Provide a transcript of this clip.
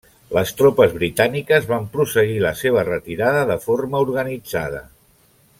Les tropes britàniques van prosseguir la seva retirada de forma organitzada.